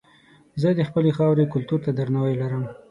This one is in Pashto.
زه د خپلې خاورې کلتور ته درناوی لرم.